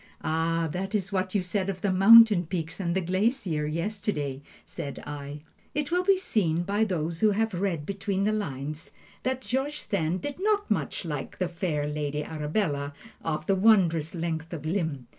"'Ah, that is what you said of the mountain peaks and the glacier, yesterday,' said I." It will be seen, by those who have read between the lines, that George Sand did not much like "the fair Lady Arabella of the wondrous length of limb."